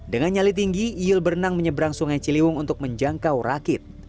dengan nyali tinggi iul berenang menyeberang sungai ciliwung untuk menjangkau rakit